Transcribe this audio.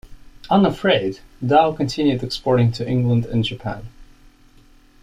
Unafraid, Dow continued exporting to England and Japan.